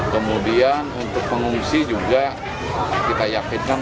kemudian untuk pengungsi juga kita yakinkan